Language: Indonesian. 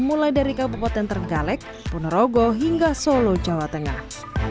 mulai dari kabupaten tergalek penerogo hingga solo jawa tengah